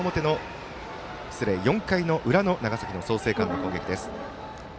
４回の裏の長崎の創成館の攻撃です。